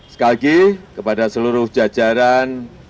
sekali lagi kepada seluruh jajaran